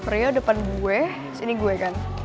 rio depan gue terus ini gue kan